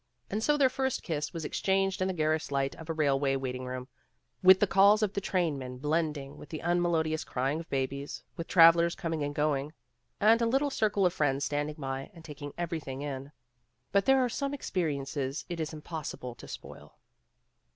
And so their first kiss was exchanged in the garish light of a railway waiting room, with the calls of the trainmen blending with the unmelodious crying of babies, with travelers coming and going, and a little circle of friends standing by and taking every thing in. But there are some experiences it is impossible to spoil.